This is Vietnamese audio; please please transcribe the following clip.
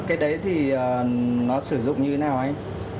cái đấy có dễ sử dụng không anh